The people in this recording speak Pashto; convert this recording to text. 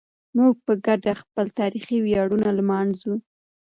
موږ په ګډه خپل تاریخي ویاړونه لمانځو.